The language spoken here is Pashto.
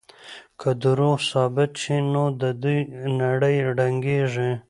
که دروغ ثابت شي نو د دوی نړۍ ړنګېږي.